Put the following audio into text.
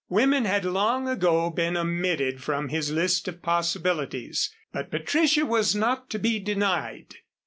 Women had long ago been omitted from his list of possibilities. But Patricia was not to be denied.